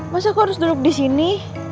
masa kau harus duduk disini